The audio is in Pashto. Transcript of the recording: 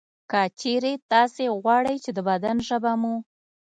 که چېرې تاسې غواړئ چې د بدن ژبه مو